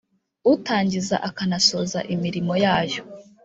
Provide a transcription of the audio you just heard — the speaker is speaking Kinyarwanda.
utangiza akanasoza imirimo yayo